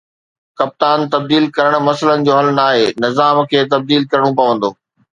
ڪپتان تبديل ڪرڻ مسئلن جو حل ناهي، نظام کي تبديل ڪرڻو پوندو